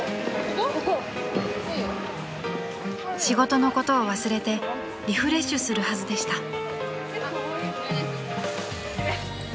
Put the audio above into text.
［仕事のことを忘れてリフレッシュするはずでした］